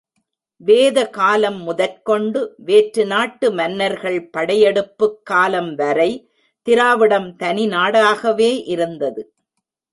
வேதகாலம் முதற்கொண்டு வேற்றுநாட்டு மன்னர்கள் படையெடுப்புக் காலம்வரை திராவிடம் தனி நாடாகவே இருந்தது!